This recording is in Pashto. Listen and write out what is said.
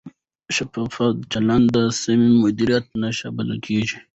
شفاف چلند د سم مدیریت نښه بلل کېږي.